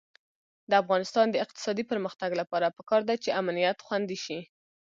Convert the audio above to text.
د افغانستان د اقتصادي پرمختګ لپاره پکار ده چې امنیت خوندي شي.